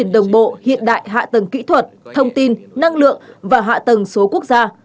đồng bộ hiện đại hạ tầng kỹ thuật thông tin năng lượng và hạ tầng số quốc gia